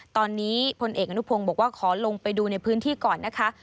ตอนนี้พลเอกอนุพงศ์บอกว่าขอลงไปดูในพื้นที่ก่อนนะคะ